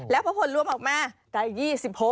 แล้วผลร่วมออกมาได้๒๖